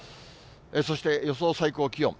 そして、予想最高気温。